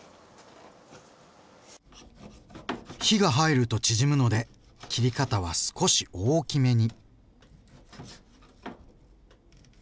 火が入ると縮むので切り方は少し大きめに。